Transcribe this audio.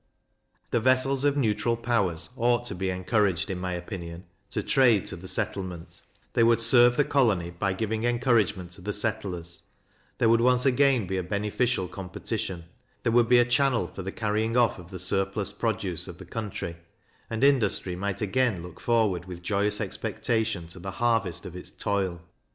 The vessels of neutral powers ought to be encouraged, in my opinion, to trade to the settlement; they would serve the colony, by giving encouragement to the settlers; there would once again be a beneficial competition; there would be a channel for the carrying off the surplus produce of the country, and industry might again look forward with joyous expectation to the harvest of its toil.